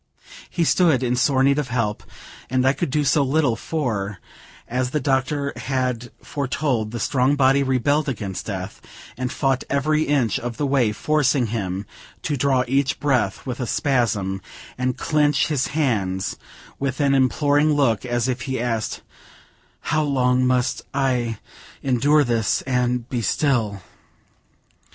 He stood in sore need of help and I could do so little; for, as the doctor had foretold, the strong body rebelled against death, and fought every inch of the way, forcing him to draw each breath with a spasm, and clench his hands with an imploring look, as if he asked, "How long must I endure this, and be still!"